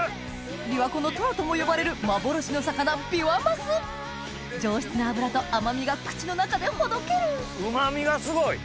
「琵琶湖のトロ」とも呼ばれる幻の魚ビワマス上質な脂と甘みが口の中でほどけるうまみがすごい！